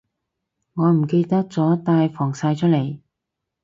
我唔記得咗帶防曬出嚟